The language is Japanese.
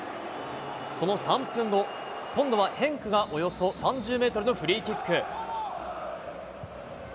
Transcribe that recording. その３分後、今度はヘンクがおよそ３０メートルのフリーキック。